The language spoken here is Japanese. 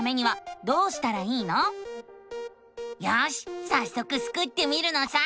よしさっそくスクってみるのさ！